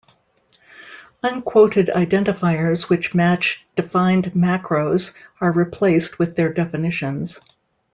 Unquoted identifiers which match defined macros are replaced with their definitions.